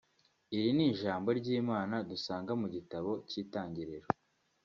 Iri ni ijambo ry'Imana dusanga mu gitabo cy'itangiriro